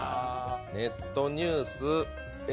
ネットニュース。